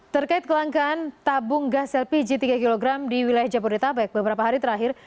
terkait kelangkaan tabung gas lpg tiga kg di wilayah jabodetabek beberapa hari terakhir